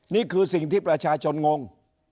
นี่คือสิ่งที่ประชาชนงง